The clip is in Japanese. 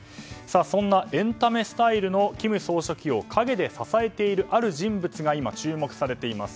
そんなエンタメスタイルの金総書記を陰で支えているある人物が今、注目されています。